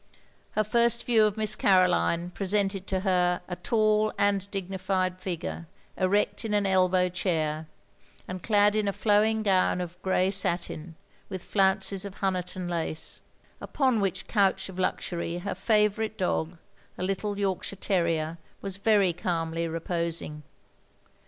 Her first view of Miss Caroline presented to her a tall and dignified figure, erect in an elbow chair, and clad in a flowing gown of grey satin, with flounces of Honiton lace; upon which couch of luxury her favourite dog, a little Yorkshire terrier, was very calmly reposing.